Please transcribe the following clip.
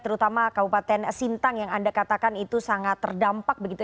terutama kabupaten sintang yang anda katakan itu sangat terdampak begitu